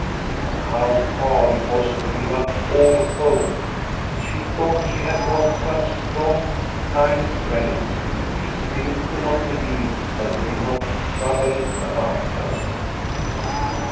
But how hard it was to give up all hope ! She thought she had won such strong kind friends, she still could not believe that they did not trouble about her.